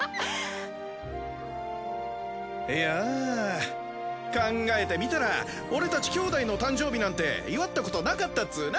いやぁ考えてみたら俺たち兄弟の誕生日なんて祝ったことなかったっツーナ。